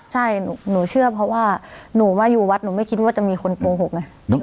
ใช่หนูเชื่อเพราะว่าหนูมาอยู่วัดหนูไม่คิดว่าจะมีคนโกหกไง